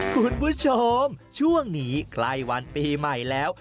คุณผู้ชมช่วงนี้ใกล้วันปีใหม่แล้ว